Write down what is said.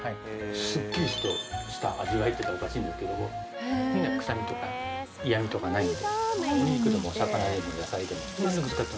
すっきりとした味わいってのもおかしいんですけども臭みとか嫌みとかないんでお肉でもお魚でも野菜でも何でも使ってます。